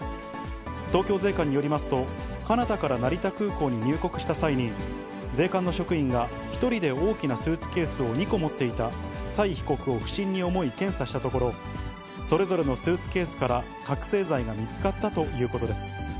東京税関によりますと、カナダから成田空港に入国した際に、税関の職員が１人で大きなスーツケースを２個持っていた蔡被告を不審に思い検査したところ、それぞれのスーツケースから覚醒剤が見つかったということです。